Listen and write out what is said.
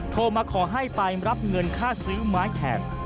โทรมาขอให้ไปรับเงินค่าซื้อไม้แขก